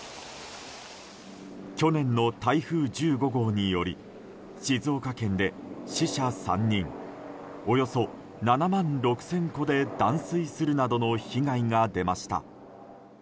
去年の台風１５号により静岡県で死者３人およそ７万６０００戸で断水するなどの被害が出ました。